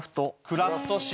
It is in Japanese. クラフト紙。